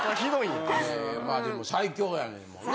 まあでも最強やねんもんね？